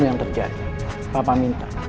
yang terjadi papa minta